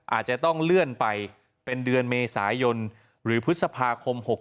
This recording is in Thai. อาจจะต้องเลื่อนไปเป็นเดือนเมษายนหรือพฤษภาคม๖๖